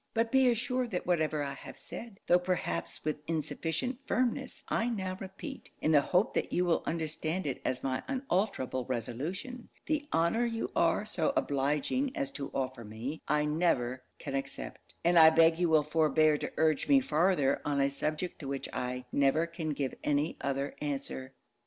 But be assured that whatever I have said, tho' perhaps with insufficient firmness, I now repeat, in the hope that you will understand it as my unalterable resolution The honour you are so obliging as to offer me, I never can accept; and I beg you will forbear to urge me farther on a subject to which I never can give any other answer.'